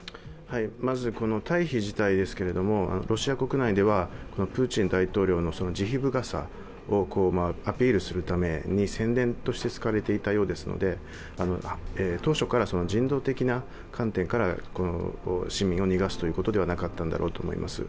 まず退避自体ですけど、ロシア国内ではプーチン大統領の慈悲深さをアピールするために宣伝として使われていたようですので、当初から人道的な観点から市民を逃がすということではなかったんだろうと思います。